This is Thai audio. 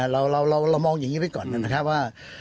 เรามองอย่างนี้ไปก่อนนะครับว่า